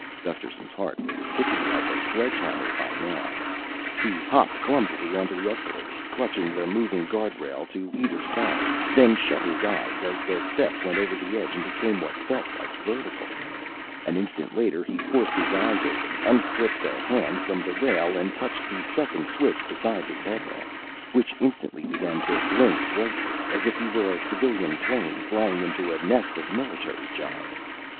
Gusterson's heart was ticking like a sledgehammer by now. He hopped clumsily onto the escalator, clutched the moving guard rail to either side, then shut his eyes as the steps went over the edge and became what felt like vertical. An instant later he forced his eyes open, unclipped a hand from the rail and touched the second switch beside his headlamp, which instantly began to blink whitely, as if he were a civilian plane flying into a nest of military jobs.